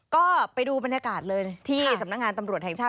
ก็ไปดูบรรยากาศเลยที่สำนักงานตำรวจแห่งชาติ